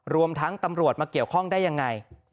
รวมทั้งตำรวจมาเกี่ยวข้องได้ยังไง